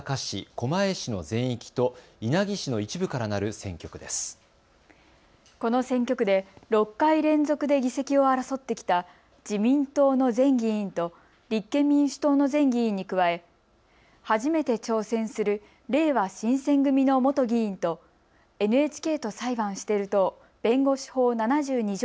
この選挙区で６回連続で議席を争ってきた自民党の前議員と立憲民主党の前議員に加え、初めて挑戦するれいわ新選組の元議員とＮＨＫと裁判してる党弁護士法７２条